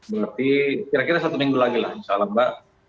berarti kira kira satu minggu lagi lah insya allah mbak